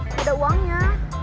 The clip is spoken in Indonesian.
gak ada uangnya